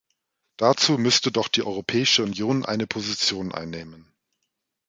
Dazu müsste doch die Europäische Union eine Position einnehmen.